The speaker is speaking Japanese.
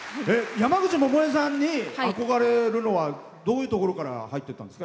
山口百恵さんに憧れるのはどういうところから入っていったんですか？